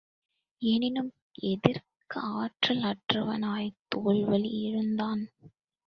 எனினும் எதிர்கக ஆற்றல் அற்றவனாய்த் தோள் வலி இழந்தான்.